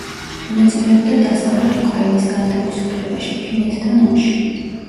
მონაწილეობდა დასავლეთ უკრაინის განთავისუფლებაში, ფინეთთან ომში.